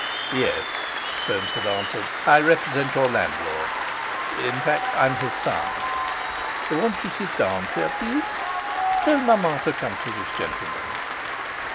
"Yes," Soames had answered, "I represent your landlord; in fact, I'm his son." "Won't you sit down, sir, please? Tell Maman to come to this gentleman."